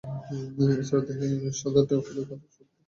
এছাড়া দেহে সাদাটে, হলুদ এবং সরু কালো রঙের আড়াআড়ি রেখা থাকতে পারে।